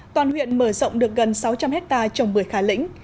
toàn huyện mở rộng được gần sáu trăm linh hectare trồng bưởi khá lĩnh